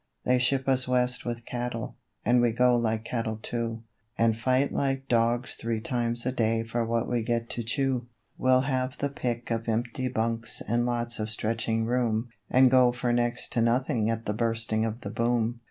They ship us West with cattle, and we go like cattle too; And fight like dogs three times a day for what we get to chew.... We'll have the pick of empty bunks and lots of stretching room, And go for next to nothing at the Bursting of the Boom.